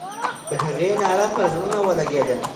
د هغې ناره پر زړونو ولګېده.